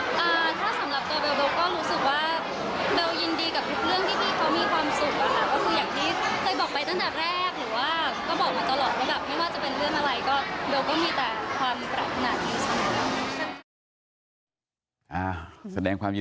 ถ้าสำหรับตัวเบลก็รู้สึกว่าเบลยินดีกับทุกเรื่องที่พี่เขามีความสุข